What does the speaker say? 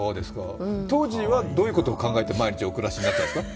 当時はどういうことを考えて毎日お暮らしになっていたんですか？